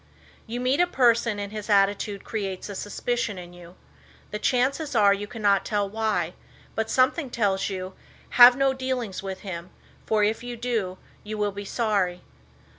You meet a person and his attitude creates a suspicion in you. The chances are you cannot tell why, but something tells you, "Have no dealings with him, for if you do, you will be sorry."